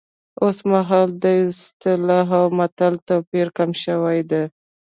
اوس مهال د اصطلاح او متل توپیر کم شوی دی